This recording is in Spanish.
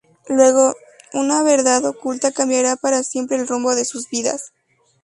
Luego, una verdad oculta cambiará para siempre el rumbo de sus vidas.